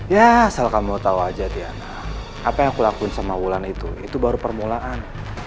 ya asal kamu tahu aja tian apa yang aku lakuin sama wulan itu itu baru permulaan